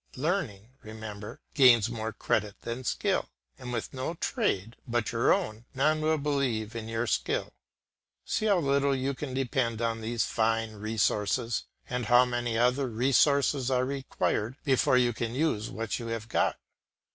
Learning, remember, gains more credit than skill, and with no trade but your own none will believe in your skill. See how little you can depend on these fine "Resources," and how many other resources are required before you can use what you have got.